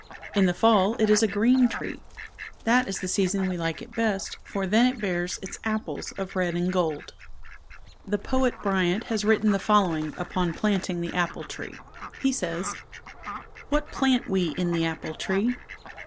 In the fall it is a green tree. That is the season we like it best for then it bears its apples of red and gold. The poet Bryant has written the following upon planting the apple tree. He says: What plant we in the apple tree?